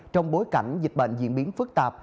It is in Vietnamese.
trong bối cảnh dịch bệnh diễn biến phức tạp